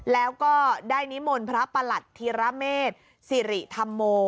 แล้วก็ได้นิมนต์พระประหลัดธีระเมษสิริธรรมโม